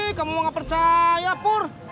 ih kamu nggak percaya pur